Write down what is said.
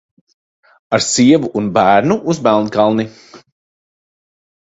Ar sievu un bērnu uz Melnkalni!